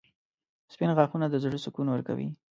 • سپین غاښونه د زړه سکون ورکوي.